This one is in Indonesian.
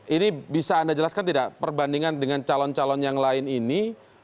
ini bisa anda jelaskan tidak perbandingan dengan calon calon yang lain ini